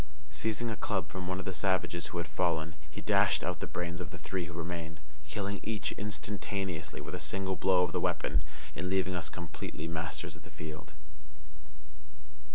Seizing a club from one of the savages who had fallen, he dashed out the brains of the three who remained, killing each instantaneously with a single blow of the weapon, and leaving us completely masters of the field.